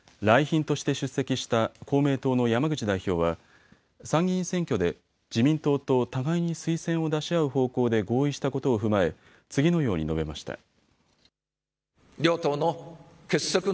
来賓として出席した公明党の山口代表は参議院選挙で自民党と互いに推薦を出し合う方向で合意したことを踏まえ、次のように述べました。